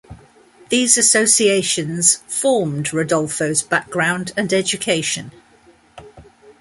These associations formed Rodolfo's background and education.